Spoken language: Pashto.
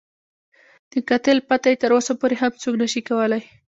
د قاتل پته یې تر اوسه پورې هم څوک نه شي کولای.